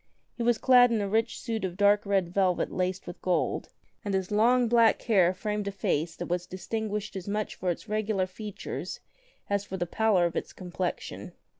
He was clad in a rich suit of dark red velvet laced with gold, and his long black hair framed a face that was distinguished as much for its regular features as for the pallor of its complexion.